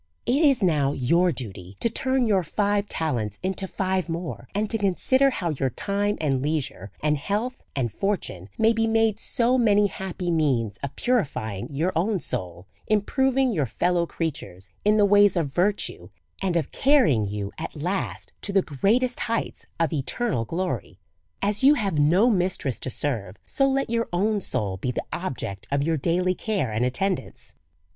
It is now your duty to turn your five talents into five more, and to consider how your time and leisure, and health and fortune, may be made so many happy means of purifying your own soul, improving your fellow creatures in the ways of virtue, and of carrying you at last to the greatest heights of eternal glory. As you have no mistress to serve, so let your own soul be the object of your daily care and attendance.